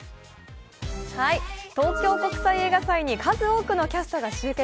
東京国際映画祭に数多くのキャストが集結。